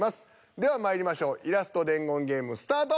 ではまいりましょうイラスト伝言ゲームスタート。